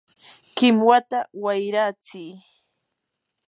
¡kinwata wayratsiy!